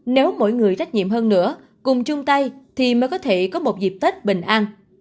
nếu mỗi người trách nhiệm hơn nữa cùng chung tay thì mới có thể có một dịp tết bình an